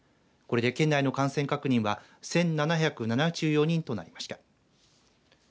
これで県内の感染確認は１７７４人となりました。